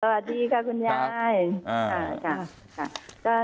สวัสดีค่ะคุณยายค่ะ